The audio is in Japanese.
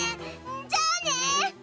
じゃあね！